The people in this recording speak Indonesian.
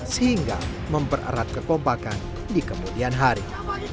sehingga mempererat kekompakan di kemudian hari